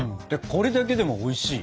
これだけでもおいしい。